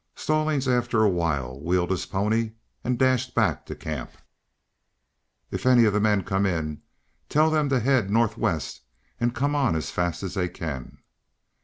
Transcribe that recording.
Stallings, after a while, wheeled his pony and dashed back to camp. "If any of the men come in, tell them to head northwest and come on as fast as they can."